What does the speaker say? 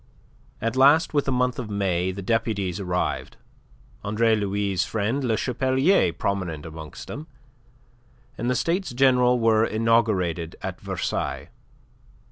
At last with the month of May the deputies arrived, Andre Louis' friend Le Chapelier prominent amongst them, and the States General were inaugurated at Versailles.